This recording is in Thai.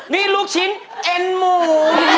นี่ลูกชิ้นเอ็นหมู